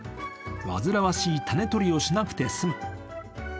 煩わしい種取りをしなくて済む。